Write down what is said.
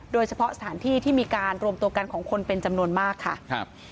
โดยเฉพาะสถานที่ที่มีการรวมตัวกันของคนเป็นจำนวนมากค่ะ